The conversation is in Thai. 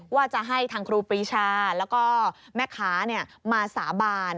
ว่าจะให้ทางครูปรีชาแล้วก็แม่ค้ามาสาบาน